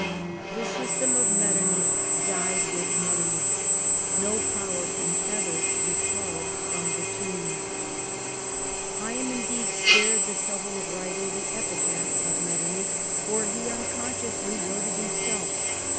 The system of Metternich died with Metternich. No power can ever recall it from the tomb. I am indeed, spared the trouble of writing the epitaph of Metternich, for he unconsciously wrote it him self.